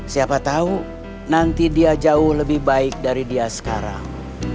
siapa tahu nanti dia jauh lebih baik dari dia sekarang